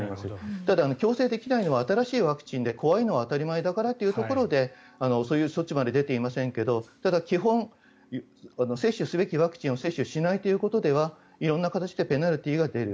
ただ、強制できないのは新しいワクチンで怖いのは当たり前だからということでそういう措置まで出ていませんが基本、接種すべきワクチンを接種しないことでは色んな形でペナルティーが出る。